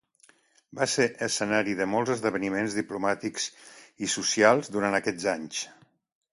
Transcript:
Va ser escenari de molts esdeveniments diplomàtics i socials durant aquests anys.